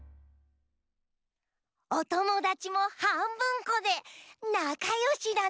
おともだちもはんぶんこでなかよしだね。